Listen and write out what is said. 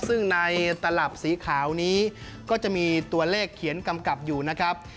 ซึ่งในตลับสีขาวนี้ก็จะมีตัวเลขเขียนกำกับอยู่นะครับ